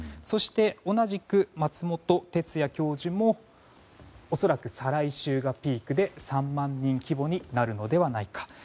そして、同じく松本哲哉教授も恐らく再来週がピークで３万人規模になるのではないか。